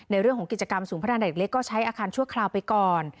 เรื่องของกิจกรรมศูนย์พัฒนาเด็กเล็กก็ใช้อาคารชั่วคราวไปก่อน